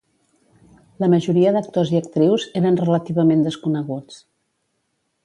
La majoria d'actors i actrius eren relativament desconeguts.